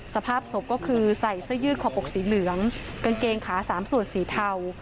สภาพศพก็คือใส่เสื้อยืดคอปกสีเหลืองกางเกงขาสามส่วนสีเทา